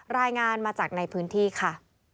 รายงานมาจากในพื้นที่ค่ะ